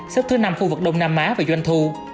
sắp thứ năm khu vực đông nam á và doanh thu